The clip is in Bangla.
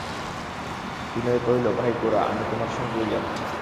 বিনয় কহিল, ভাই গোরা, আমি তোমার সঙ্গেই যাব।